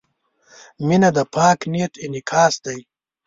• مینه د پاک نیت انعکاس دی.